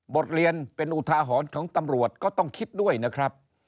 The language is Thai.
บทเรียนเป็นอุทาหรณ์ของตำรวจก็ต้องคิดด้วยนะครับ